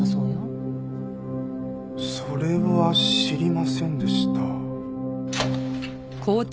それは知りませんでした。